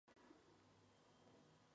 En su cima tiene un pequeño lago de cráter.